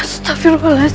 sudah terlalu lama sin